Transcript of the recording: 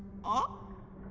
あっ。